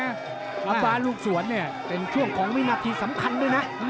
ฟ้าลูกสวนเนี่ยเป็นช่วงของวินาทีสำคัญด้วยนะ